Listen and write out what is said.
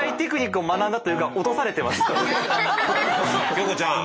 京子ちゃん。